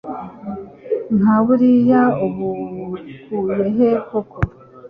nkaburiya ubukuye he koko